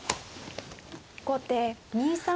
後手２三歩。